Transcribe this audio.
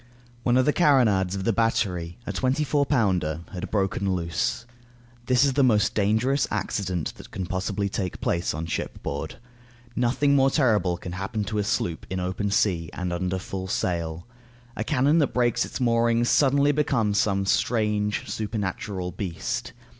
One of the carronades of the battery, a twenty four pounder, had broken loose. This is the most dangerous accident that can possibly take place on shipboard. Nothing more terrible can happen to a sloop of was in open sea and under full sail. A cannon that breaks its moorings suddenly becomes some strange, supernatural beast.